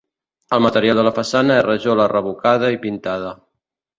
El material de la façana és rajola revocada i pintada.